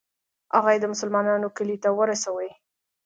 هغه یې د مسلمانانو کلي ته ورسوي.